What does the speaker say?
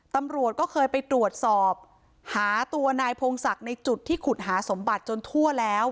ตำรวจก็เคยไปตรวจสอบหาตัวนายพงศักดิ์ในจุดที่ขุดหาสมบัติจนทั่วแล้ว